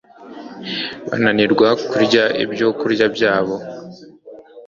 bananirwa kurya ibyokurya byabo